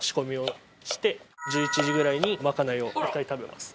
１１時ぐらいにまかないを１回食べます。